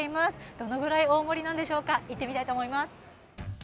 どのぐらい大盛りなんでしょうか、行ってみたいと思います。